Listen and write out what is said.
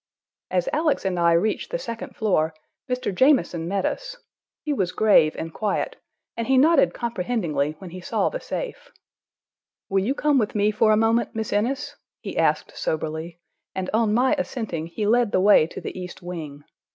As Alex and I reached the second floor, Mr. Jamieson met us. He was grave and quiet, and he nodded comprehendingly when he saw the safe. "Will you come with me for a moment, Miss Innes?" he asked soberly, and on my assenting, he led the way to the east wing.